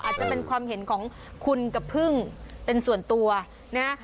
อาจจะเป็นความเห็นของคุณกับพึ่งเป็นส่วนตัวนะ